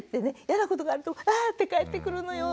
嫌なことがあるとあって帰ってくるのよ。